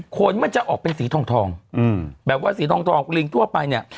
ขนมันจะออกเป็นสีทองทองแบบว่าสีทองทองลิงทั่วไปเนี่ย